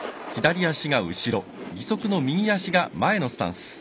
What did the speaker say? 左足が後ろ義足の右足が前のスタンス。